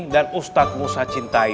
dan ustadz musa cintai